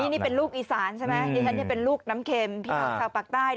นี่เป็นลูกอีสานใช่ไหมนี่เป็นลูกน้ำเค็มพี่น้องชาวปลักต้าย